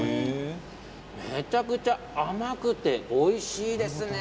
めちゃくちゃ甘くておいしいですね。